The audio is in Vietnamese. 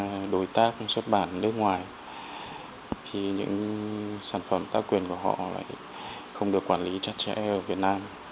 các đối tác xuất bản nước ngoài thì những sản phẩm tác quyền của họ lại không được quản lý chặt chẽ ở việt nam